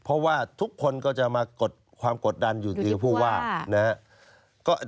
เพราะว่าทุกคนก็จะมากดความกดดันอยู่จริงผู้ว่านะครับ